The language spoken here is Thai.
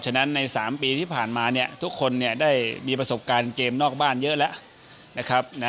ฉะนั้นใน๓ปีที่ผ่านมาเนี่ยทุกคนได้มีประสบการณ์เกมนอกบ้านเยอะแล้วนะครับ